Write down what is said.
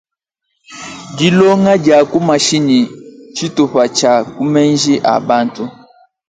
Dilonga dia ku mashinyi ntshitupa tshia ku menji a bantu.